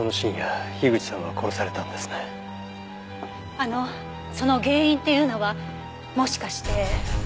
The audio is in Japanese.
あのその原因っていうのはもしかして。